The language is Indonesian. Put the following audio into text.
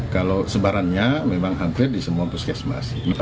kalau sebarannya memang hampir di semua puskesmas